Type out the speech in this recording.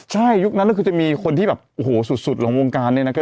ใช่ยุคนั้นก็คือจะมีคนที่แบบโอ้โหสุดของวงการเนี่ยนะครับ